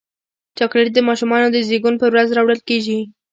چاکلېټ د ماشومانو د زیږون پر ورځ راوړل کېږي.